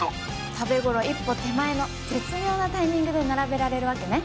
食べ頃一歩手前の絶妙なタイミングで並べられるわけね。